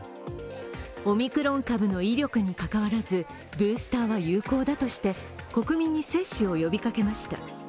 オミクロン株の威力にかかわらずブースターは有効だとして国民に接種を呼びかけました。